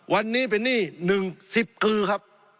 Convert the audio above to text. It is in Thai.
วันนี้เป็นหนี้๑๐คือครับ